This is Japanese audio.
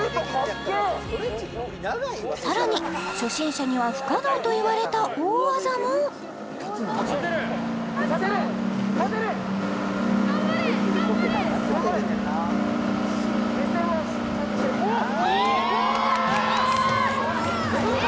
さらに初心者には不可能といわれた大技もああすごーい！